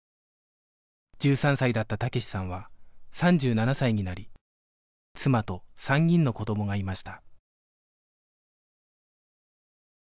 １３歳だった武志さんは３７歳になり妻と３人の子どもがいました